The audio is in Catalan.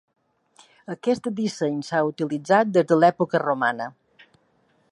Aquest disseny s'ha utilitzat des de l'època romana.